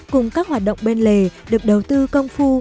cùng các hoạt động bên lề được đầu tư công phu